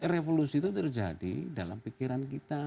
revolusi itu terjadi dalam pikiran kita